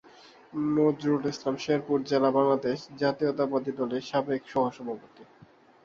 নজরুল ইসলাম শেরপুর জেলা বাংলাদেশ জাতীয়তাবাদী দলের সাবেক সহসভাপতি।